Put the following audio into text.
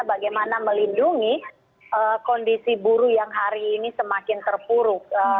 bagaimana melindungi kondisi buruh yang hari ini semakin terpuruk